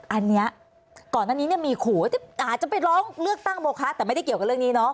อันนี้ก่อนอันนี้มีขู่ว่าอาจจะไปร้องเลือกตั้งโมคะแต่ไม่ได้เกี่ยวกับเรื่องนี้เนาะ